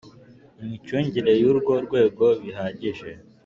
imicungire y urwo rwego bihagije